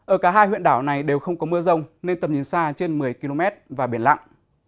ở cả hai huyện đảo này đều không có mưa rông nên tầm nhìn xa trên một mươi km và biển lặng